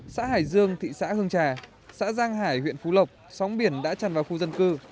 xã hải dương thị xã hương trà xã giang hải huyện phú lộc sóng biển đã tràn vào khu dân cư